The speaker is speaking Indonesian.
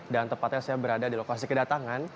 tepatnya saya berada di lokasi kedatangan